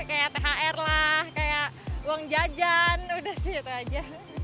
kayak thr lah kayak uang jajan udah sih itu aja